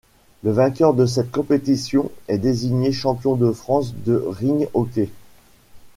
Le vainqueur de cette compétition est désigné champion de France de rink hockey.